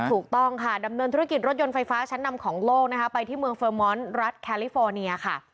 ถูกต้องค่ะดำเนินธุรกิจรถยนต์ไฟฟ้าชั้นนำของโลกนะคะไปที่เมืองเฟอร์มอนด์รัฐแคลิฟอร์เนียค่ะ